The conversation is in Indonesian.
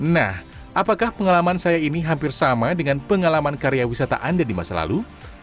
nah apakah pengalaman saya ini hampir sama dengan pengalaman karya wisata anda di masa lalu